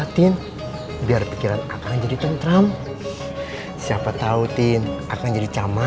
ntina biar akal jadi tenneram habejajari belle over semakin siapa tahu sepuluh akan jadi lining coach